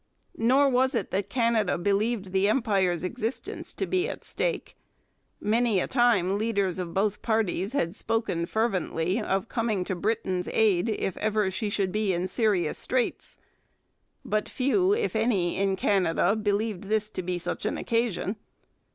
Nor was it that Canada believed the Empire's existence to be at stake. Many a time leaders of both parties had spoken fervently of coming to Britain's aid if ever she should be in serious straits. But few, if any, in Canada believed this to be such an occasion.